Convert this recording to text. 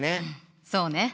そうね。